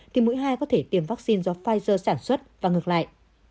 thì mũi hai có thể tiêm vaccine do pfizer sản xuất và ngược lại